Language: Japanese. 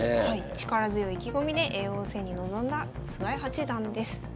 力強い意気込みで叡王戦に臨んだ菅井八段です。